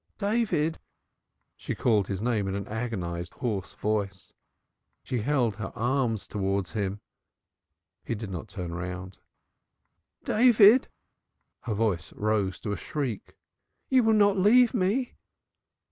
"David!" She called his name in an agonized hoarse voice. She held her arms towards him. He did not turn round. "David!" Her voice rose to a shriek. "You will not leave me?"